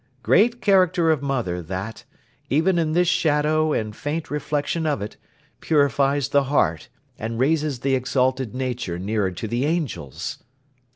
Great character of mother, that, even in this shadow and faint reflection of it, purifies the heart, and raises the exalted nature nearer to the angels!